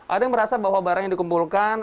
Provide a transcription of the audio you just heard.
ada yang merasa bahwa barang yang dikumpulkan